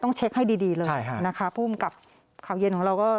ต้องเช็คให้ดีเลยนะครับผู้อำกับข่าวเย็นของเราก็